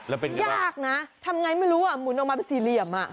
แล้วเป็นยากนะทำไงไม่รู้อ่ะหมุนออกมาเป็นสี่เหลี่ยม